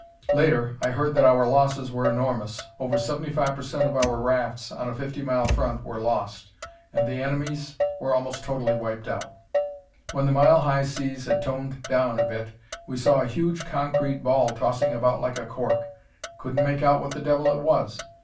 Later, I heard that our losses were enormous. Over seventy five per cent of our rafts on a 50 mile front were lost, and the enemies' were almost totally wiped out. "When the mile high seas had toned down a bit, we saw a huge concrete ball tossing about like a cork. Couldn't make out what the devil it was.